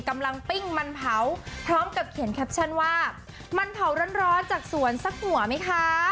ปิ้งมันเผาพร้อมกับเขียนแคปชั่นว่ามันเผาร้อนจากสวนสักหัวไหมคะ